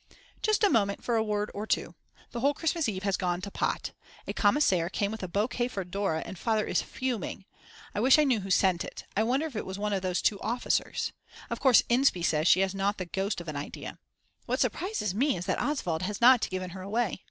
Just a moment for a word or two. The whole Christmas Eve has gone to pot. A commissionaire came with a bouquet for Dora and Father is fuming. I wish I knew who sent it. I wonder if it was one of those 2 officers? Of course Inspee says she has not the ghost of an idea. What surprises me is that Oswald has not given her away.